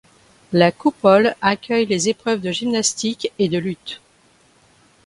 La Coupole accueille les épreuves de gymnastique et de lutte.